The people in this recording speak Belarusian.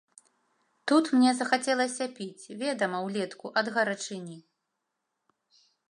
Тут мне захацелася піць, ведама, улетку ад гарачыні.